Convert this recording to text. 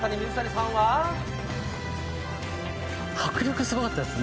迫力すごかったですね。